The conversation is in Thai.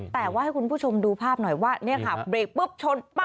แต่ว่าให้คุณผู้ชมดูภาพหน่อยว่าเนี่ยค่ะเบรกปุ๊บชนปั๊บ